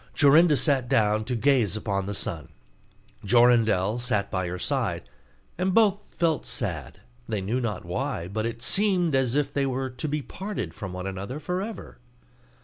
Jorinda sat down to gaze upon the sun; Jorindel sat by her side; and both felt sad, they knew not why; but it seemed as if they were to be parted from one another for ever.